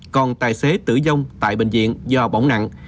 còn tài xế tử vong tại bệnh viện do bỏng nặng